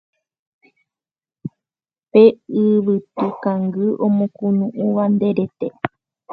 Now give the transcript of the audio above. Pe yvytu kangy omokunu'ũva nde rete